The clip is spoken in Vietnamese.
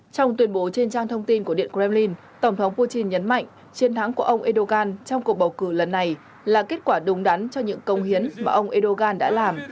trong tuyên bố trên trang thông tin của điện kremlin tổng thống putin nhấn mạnh chiến thắng của ông erdogan trong cuộc bầu cử lần này là kết quả đúng đắn cho những công hiến mà ông erdogan đã làm